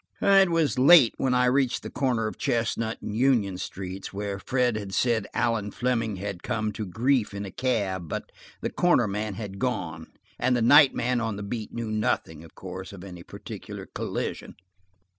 It was late when I reached the corner of Chestnut and Union Streets, where Fred had said Allan Fleming had come to grief in a cab. But the corner man had gone, and the night man on the beat knew nothing, of course, of any particular collision.